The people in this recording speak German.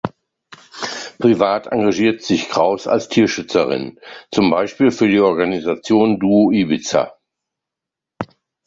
Privat engagiert sich Kraus als Tierschützerin, zum Beispiel für die Organisation Duo Ibiza.